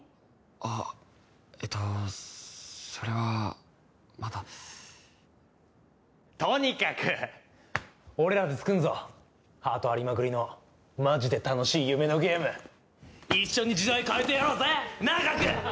あえっとそれはまだとにかく俺らで作んぞハートありまくりのマジで楽しい夢のゲーム一緒に時代変えてやろうぜなあガク！